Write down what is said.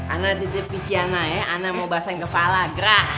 ana tidak viciana ya ana mau basahin kepala grah